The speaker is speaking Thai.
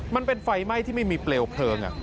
มันเป็นไฟไหม้ที่ไม่มีเปลวเพลิง